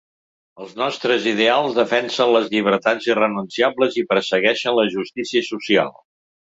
Els nostres ideals defensen les llibertats irrenunciables i persegueixen la justícia social.